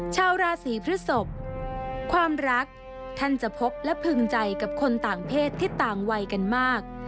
ชาวราศีพฤศพความรักท่านจะพบและพึงใจกับคนต่างเพศที่ต่างวัยกันมาก